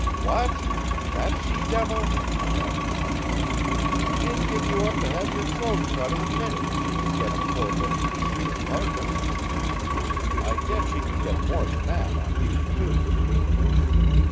"What! That she devil?" cried Dicky. "She'd give you up to have your throat cut in a minute if she could get a four bit piece for your carcass. I guess she could get more than that on you, too."